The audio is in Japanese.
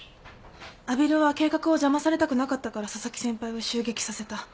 阿比留は計画を邪魔されたくなかったから紗崎先輩を襲撃させた。